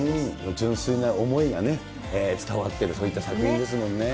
純粋な思いがね、伝わってる、そういった作品ですもんね。